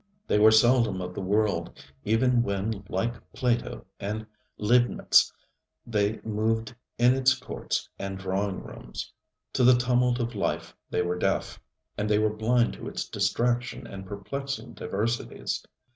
They were seldom of the world, even when like Plato and Leibnitz they moved in its courts and drawing rooms. To the tumult of life they were deaf, and they were blind to its distraction and perplexing diversities.